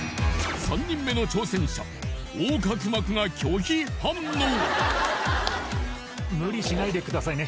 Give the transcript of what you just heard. ３人目の挑戦者横隔膜が拒否反応！